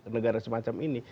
negara semacam ini